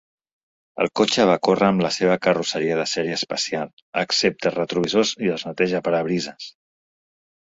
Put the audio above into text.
El cotxe va córrer amb la seva carrosseria de sèrie especial, excepte els retrovisors i els neteja-parabrises.